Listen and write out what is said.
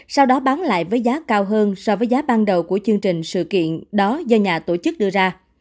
sau đó bán lại với giá cao hơn so với giá ban đầu của chương trình sự kiện đó do nhà tổ chức đưa ra